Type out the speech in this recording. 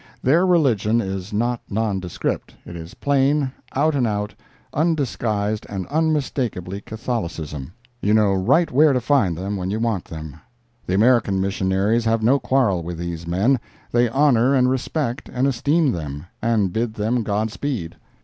Their religion is not nondescript—it is plain, out and out, undisguised and unmistakable Catholicism. You know right where to find them when you want them. The American missionaries have no quarrel with these men; they honor and respect and esteem them—and bid them God speed.